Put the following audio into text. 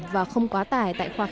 và không quá tải tại khoa học